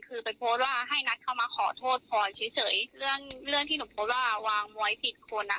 คือไปโพสต์ว่าให้นัดเข้ามาขอโทษพลอยเฉยเฉยเรื่องเรื่องที่หนูโพสต์ว่าวางมวยผิดคนอ่ะ